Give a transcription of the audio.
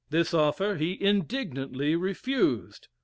This offer he indignantly refused.